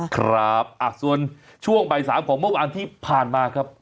ครับส่วนช่วงบ่าย๓ของเมื่อวานที่ผ่านมาครับ